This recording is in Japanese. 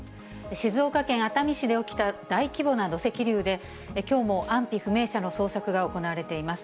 静岡県熱海市で起きた大規模な土石流で、きょうも安否不明者の捜索が行われています。